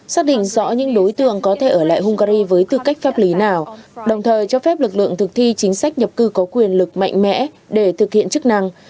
xác định rõ những đối tượng có thể ở lại hungary với tư cách pháp lý nào đồng thời cho phép lực lượng thực thi chính sách nhập cư có quyền lực mạnh mẽ để thực hiện chức năng